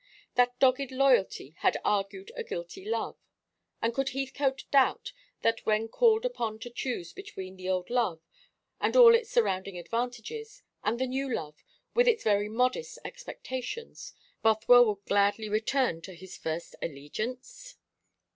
That dogged loyalty had argued a guilty love; and could Heathcote doubt that when called upon to choose between the old love, and all its surrounding advantages, and the new love, with its very modest expectations, Bothwell would gladly return to his first allegiance?